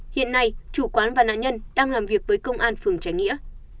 hiện nay chủ quán và nạn nhân đang làm việc với công an phường trái nghĩa